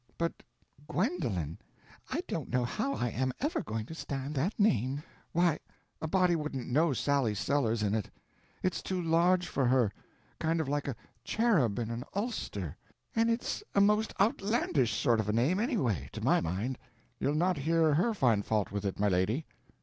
"But—Gwendolen! I don't know how I am ever going to stand that name. Why, a body wouldn't know Sally Sellers in it. It's too large for her; kind of like a cherub in an ulster, and it's a most outlandish sort of a name, anyway, to my mind." "You'll not hear her find fault with it, my lady."